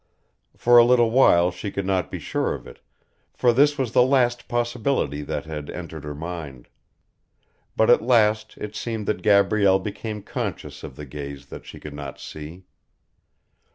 For a little while she could not be sure of it, for this was the last possibility that had entered her mind: but at last it seemed that Gabrielle became conscious of the gaze that she could not see.